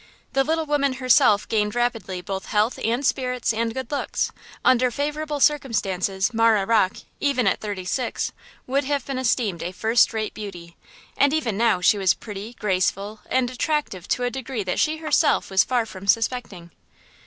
The little woman herself gained rapidly both health and spirits and good looks. Under favorable circumstances, Marah Rocke, even at thirty six, would have been esteemed a first rate beauty; and even now she was pretty, graceful and attractive to a degree that she herself was far from suspecting.